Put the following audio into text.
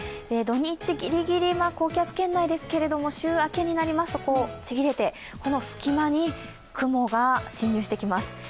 土日ぎりぎり、高気圧圏内ですが、週明けになりますとちぎれてこの隙間に雲が進入してきます。